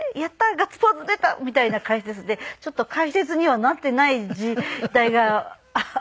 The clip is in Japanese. ガッツポーズ出たみたいな解説でちょっと解説にはなっていない時代があったんですけれども。